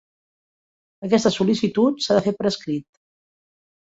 Aquesta sol·licitud s'ha de fer per escrit.